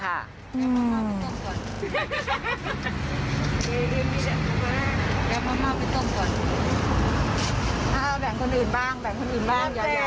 เอาแบ่งคนอื่นบ้างแบ่งคนอื่นบ้าง